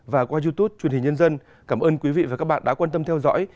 và qua youtube truyền hình nhân dân cảm ơn quý vị và các bạn đã quan tâm theo dõi